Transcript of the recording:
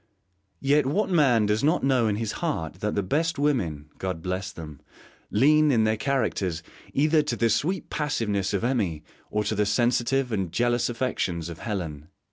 Yet what man does not know in his heart that the best women God bless them lean, in their characters, either to the sweet passiveness of Emmy or to the sensitive and jealous affections of Helen?